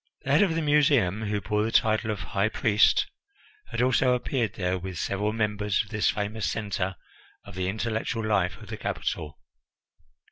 The head of the Museum, who bore the title of "high priest," had also appeared there with several members of this famous centre of the intellectual life of the capital.